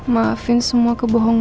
maafin semua kebohonganku